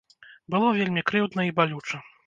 Было вельмі крыўдна і балюча.